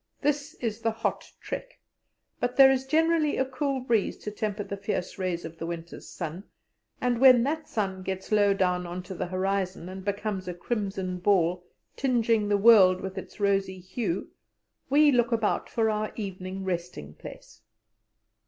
This is the hot trek, but there is generally a cool breeze to temper the fierce rays of the winter's sun; and when that sun gets low down on to the horizon, and becomes a crimson ball, tingeing the world with its rosy hue, we look about for our evening resting place.